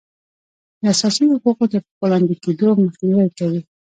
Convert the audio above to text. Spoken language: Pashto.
د اساسي حقوقو تر پښو لاندې کیدو مخنیوی کوي.